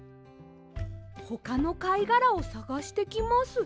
ほかのかいがらをさがしてきます。